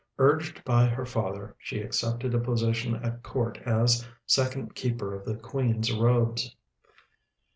Urged by her father, she accepted a position at court as Second Keeper of the Queen's Robes.